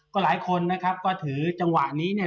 ก็หลายคนนะครับก็ถือจังหวะนี้เนี่ย